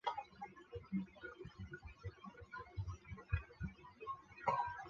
南洋大学及其所代表是迁民社会在本地的华文教育与中华文化的传承。